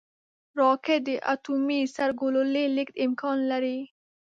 راکټ د اټومي سرګلولې لیږد امکان لري